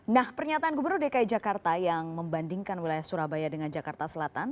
nah pernyataan gubernur dki jakarta yang membandingkan wilayah surabaya dengan jakarta selatan